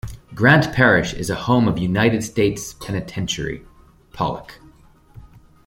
Grant Parish is a home of United States Penitentiary, Pollock.